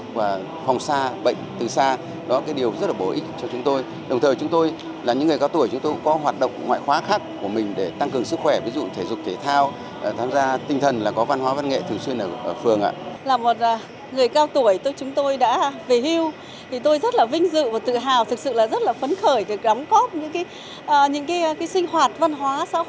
thật sự là rất là phấn khởi được gắm góp những sinh hoạt văn hóa xã hội để góp ích cho sống để cho sống vui khỏe có ích